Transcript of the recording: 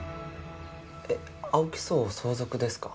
えっ青木荘を相続ですか？